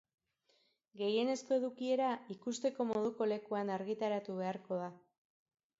Gehienezko edukiera ikusteko moduko lekuan argitaratu beharko da.